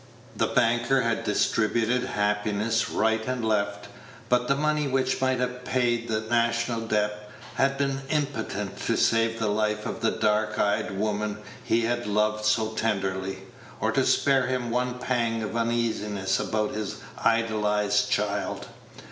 The banker had distributed happiness right and left; but the money which might have paid the national debt had been impotent to save the life of the dark eyed woman he had loved so tenderly, or to spare him one pang of uneasiness about his idolized child.